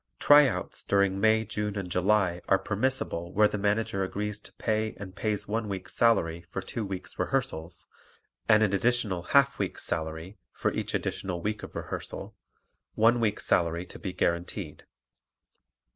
"Tryouts" during May, June and July are permissible where the Manager agrees to pay and pays one week's salary for two weeks' rehearsals and an additional half week's salary for each additional week of rehearsal, one week's salary to be guaranteed.